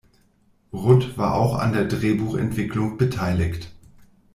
Rudd war auch an der Drehbuchentwicklung beteiligt.